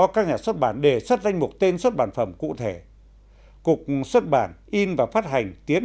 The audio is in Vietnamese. các nhà xuất bản đề xuất danh mục tên xuất bản phẩm cụ thể cục xuất bản in và phát hành tiến